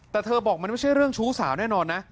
แต่เธอบอกมันไม่ใช่เรื่องชู้สาวแน่นอนนะ